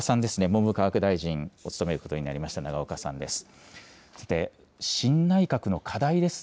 文部科学大臣を務めることになりました、永岡さんです。